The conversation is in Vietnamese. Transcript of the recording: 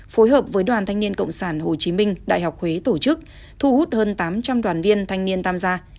phối hợp với đoàn thanh niên cộng sản hồ chí minh đại học huế tổ chức thu hút hơn tám trăm linh đoàn viên thanh niên tham gia